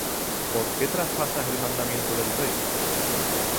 ¿Por qué traspasas el mandamiento del rey?